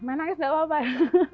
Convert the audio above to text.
menangis gak apa apa ya